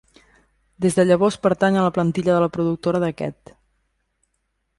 Des de llavors pertany a la plantilla de la productora d'aquest: